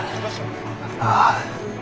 ああ。